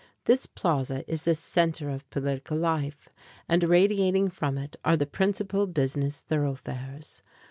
This plaza is the center of political life, and radiating from it are the principal business thoroughfares.